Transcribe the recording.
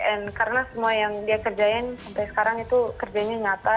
and karena semua yang dia kerjain sampai sekarang itu kerjanya nyata